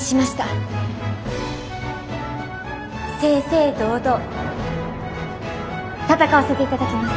正々堂々戦わせていただきます！